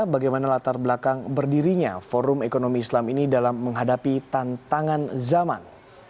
bagaimana latar belakang berdirinya forum ekonomi islam ini dalam menghadapi tantangan zaman